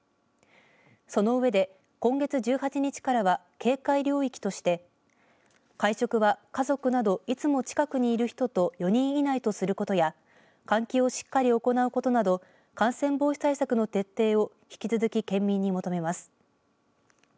その上で、今月１８日からは警戒領域として会食は家族などいつも近くにいる人と４人以内とすることや換気をしっかり行うことなど感染防止対策の徹底を引き続き、県民に求めます。